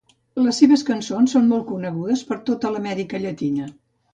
Les seves cançons són molt conegudes per tota l'Amèrica Llatina.